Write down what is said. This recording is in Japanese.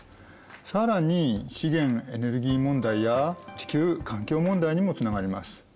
更に資源・エネルギー問題や地球環境問題にもつながります。